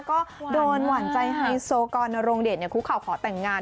ก็โดนหวั่นใจให้โซกอลในโรงเดชน์คุกข่าวขอแต่งงาน